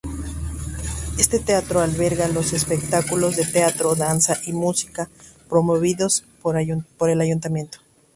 Este teatro alberga los espectáculos de teatro, danza y música promovidos por el Ayuntamiento.